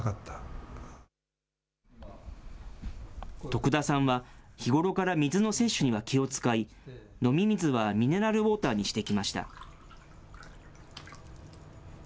徳田さんは、日頃から水の摂取には気を遣い、飲み水はミネラルウォーターにしてきました。